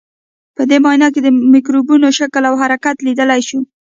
په دې معاینه کې د مکروبونو شکل او حرکت لیدلای شو.